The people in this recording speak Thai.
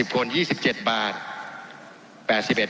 ๔๑๖๐คน๒๗บาท